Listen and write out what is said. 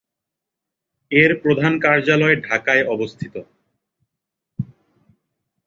এর প্রধান কার্যালয় ঢাকায় অবস্থিত।